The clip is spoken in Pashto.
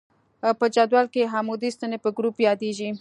په جدول کې عمودي ستنې په ګروپ یادیږي.